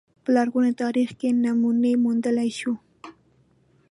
په لرغوني تاریخ کې نمونې موندلای شو